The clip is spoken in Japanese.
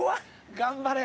頑張れよ！